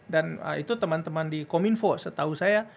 dan itu teman teman di kominfo setahu saya